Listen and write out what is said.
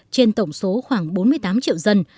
trên tổng số khoảng bốn mươi tám triệu dân